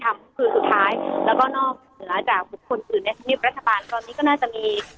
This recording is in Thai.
คืนสุดท้ายแล้วก็นอกเหนือจากบุคคลอื่นในธรรมเนียบรัฐบาลตอนนี้ก็น่าจะมี